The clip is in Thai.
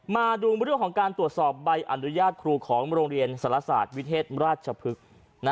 มาดูเรื่องของการตรวจสอบใบอนุญาตครูของโรงเรียนสารศาสตร์วิเทศราชพฤกษ์